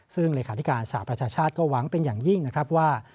ซึ่งเลขาธิการสหประชาชาติก็หวังเป็นอย่างยิ่งนะครับว่า